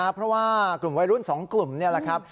เพราะว่ากลุ่มวัยรุ่น๒กลุ่มนี่แหละครับ